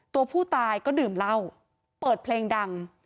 ตัวผู้ตายก็ดื่มเหล้าเปิดเพลงดัง